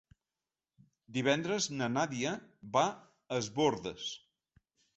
Divendres na Nàdia va a Es Bòrdes.